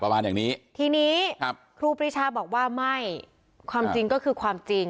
ประมาณอย่างนี้ทีนี้ครับครูปรีชาบอกว่าไม่ความจริงก็คือความจริง